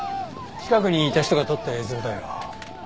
近くにいた人が撮った映像だよ。